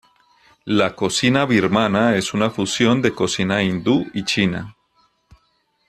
La cocina birmana es una fusión de cocina hindú y china.